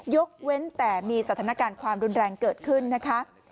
ยกเว้นแต่มีสถานการณ์ความรุนแรงเกิดขึ้นนะคะ